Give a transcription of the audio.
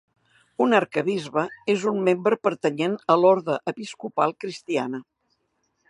Un arquebisbe és un membre pertanyent a l'orde episcopal cristiana.